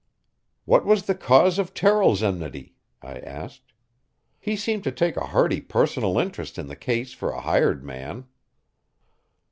"What was the cause of Terrill's enmity?" I asked. "He seemed to take a hearty personal interest in the case for a hired man."